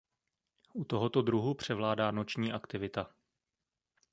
U tohoto druhu převládá noční aktivita.